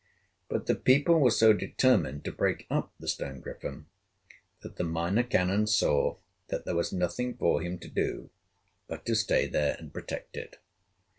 But the people were so determined to break up the stone griffin that the Minor Canon saw that there was nothing for him to do but to stay there and protect it.